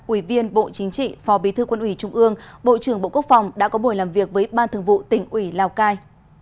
ủy viên bộ chính trị phó bí thư quân ủy trung ương bộ trưởng bộ quốc phòng đã có buổi làm việc với ban thường vụ tỉnh ủy lào cai